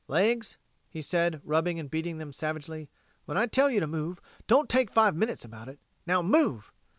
"Legs," he said, rubbing and beating them savagely, "when I tell you to move, don't take five minutes about it. Now, move!"